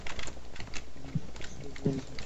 আমি এ ব্যাপারে সবাইকে বলেছি।